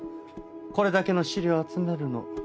これだけの資料を集めるの。